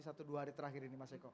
satu dua hari terakhir ini mas eko